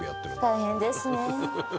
大変ですねえ